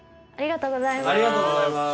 ありがとうございます。